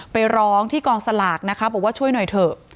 ไปร้องที่กองสลากนะคะบอกว่าช่วยหน่อยเถอะ